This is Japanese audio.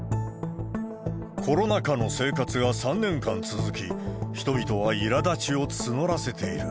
コロナ禍の生活が３年間続き、人々はいらだちを募らせている。